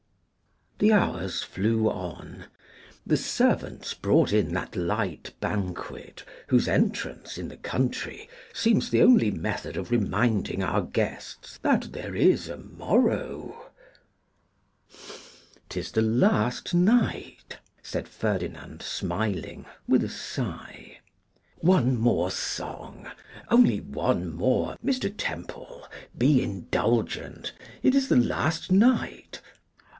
The hours flew on; the servants brought in that light banquet whose entrance in the country seems the only method of reminding our guests that there is a morrow. [Illustration: frontis page146.jpg] ''Tis the last night,' said Ferdinand, smiling, with a sigh. 'One more song; only one more. Mr. Temple, be indulgent; it is the last night.